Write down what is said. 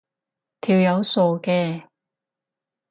條友傻嘅